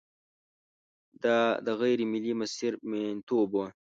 دا د غېر ملي مسیر میینتوب و.